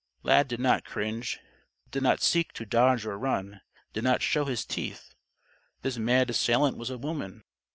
Lad did not cringe did not seek to dodge or run did not show his teeth. This mad assailant was a woman.